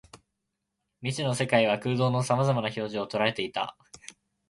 未知の世界は空洞の様々な表情を捉えていた